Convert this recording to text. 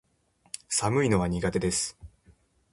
寒いのは苦手です